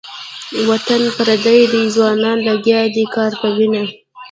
وطن پردی ده ځوانان لګیا دې کار کوینه.